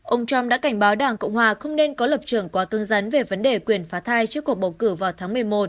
ông trump đã cảnh báo đảng cộng hòa không nên có lập trưởng quá cưng rắn về vấn đề quyền phá thai trước cuộc bầu cử vào tháng một mươi một